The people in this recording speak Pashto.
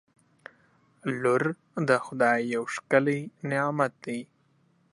• لور د خدای یو ښکلی نعمت دی.